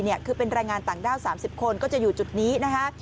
คือเป็นแรงงานต่างด้าว๓๐คนก็จะอยู่จุดนี้นะคะ